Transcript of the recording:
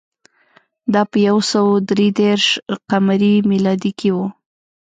دا په یو سوه درې دېرش ق م کې و